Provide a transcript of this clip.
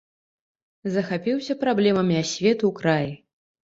Захапіўся праблемамі асветы ў краі.